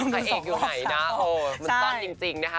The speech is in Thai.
พระเอกอยู่ไหนนะเออมันซ่อนจริงนะคะ